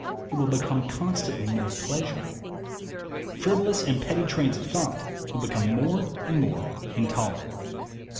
It will become constantly more pleasur able. Frivolous and petty trains of thought will become more and more intolerable."